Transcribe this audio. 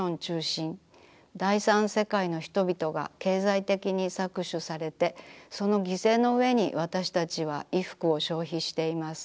第三世界の人々が経済的に搾取されてその犠牲のうえにわたしたちは衣服を消費しています。